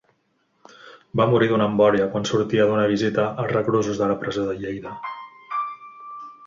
Va morir d'una embòlia quan sortia d'una visita als reclusos de la presó de Lleida.